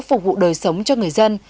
phục vụ đời sống cho người dân